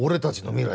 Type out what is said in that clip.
未来。